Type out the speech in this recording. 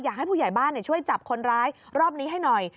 อยากให้ผู้ใหญ่บ้านช่วยจับคนร้ายรอบนี้ให้หน่อย